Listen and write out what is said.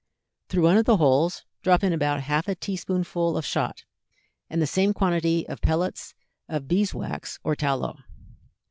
Through one of the holes drop in about half a tea spoonful of shot and the same quantity of pellets of bees wax or tallow.